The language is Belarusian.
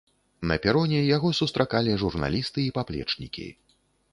На пероне яго сустракалі журналісты і паплечнікі.